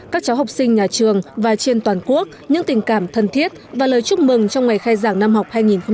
các cháu học sinh nhà trường và trên toàn quốc những tình cảm thân thiết và lời chúc mừng trong ngày khai giảng năm học hai nghìn một mươi tám hai nghìn một mươi chín